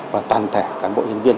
và toàn thể cán bộ nhân viên